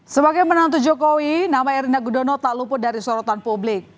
sebagai menantu jokowi nama erina gudono tak luput dari sorotan publik